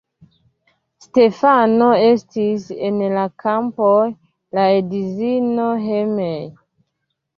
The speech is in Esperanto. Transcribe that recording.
Stefano estis en la kampoj, la edzino hejme.